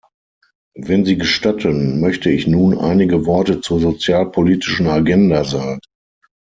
Wenn Sie gestatten, möchte ich nun einige Worte zur sozialpolitischen Agenda sagen.